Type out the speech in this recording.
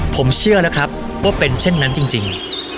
ผมเชื่อนะครับว่าเป็นเช่นนั้นจริง